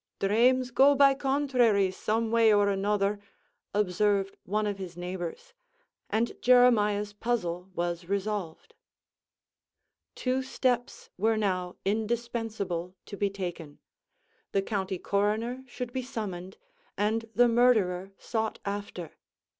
"Dhrames go by conthraries, some way or another," observed one of his neighbors; and Jeremiah's puzzle was resolved. Two steps were now indispensable to be taken; the county coroner should be summoned, and the murderer sought after.